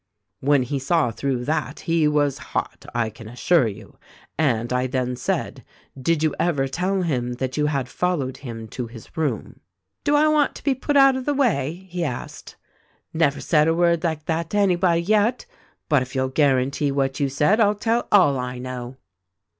"When he saw through that he was hot, I can assure you ; and I then said, 'Did you ever tell him that you had followed him to his room?' " 'Do I want to be put out of the way ?' he asked. 'Never said a word like that to anybody, yet ; but if you'll guarantee what you said, I'll tell all I know.'